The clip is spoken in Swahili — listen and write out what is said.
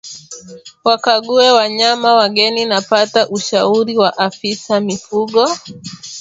Wakague wanyama wageni na pata ushauri wa afisa mifugo